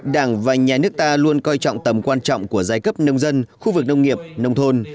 đảng và nhà nước ta luôn coi trọng tầm quan trọng của giai cấp nông dân khu vực nông nghiệp nông thôn